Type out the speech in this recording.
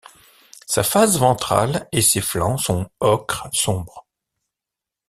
Sa face ventrale et ses flancs sont ocre sombre.